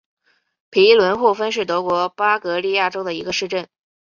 皮伦霍芬是德国巴伐利亚州的一个市镇。